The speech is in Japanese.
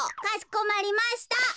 「かしこまりました。